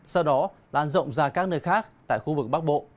sau đó lan rộng ra các nơi khác tại khu vực bắc bộ